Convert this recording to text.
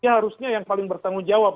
harusnya yang paling bertanggung jawab